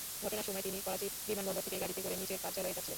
ঘটনার সময় তিনি করাচি বিমানবন্দর থেকে গাড়িতে করে নিজের কার্যালয়ে যাচ্ছিলেন।